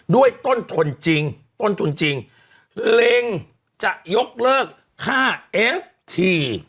ด้วยต้นทุนจริงต้นทุนจริงเล็งจะยกเลิกค่าเอฟที